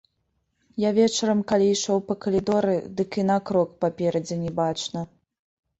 Я вечарам калі ішоў па калідоры, дык і на крок паперадзе не бачна.